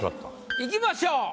いきましょう。